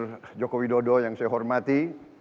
bapak joko widodo yang saya hormati